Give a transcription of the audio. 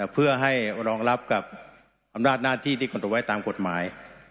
เพื่อให้รองรับกับอำนาจหน้าที่ที่กำหนดไว้ตามกฎหมาย